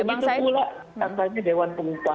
mulai dari mulai